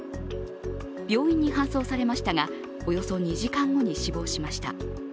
病院に搬送されましたが、およそ２時間後に死亡しました。